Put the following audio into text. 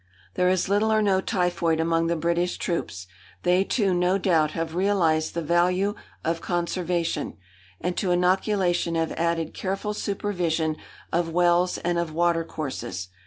There is little or no typhoid among the British troops. They, too, no doubt, have realised the value of conservation, and to inoculation have added careful supervision of wells and of watercourses.